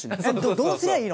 「どうすりゃいいの？